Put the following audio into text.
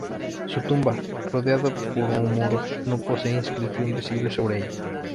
Su tumba, rodeada por un muro, no posee inscripción visible sobre ella.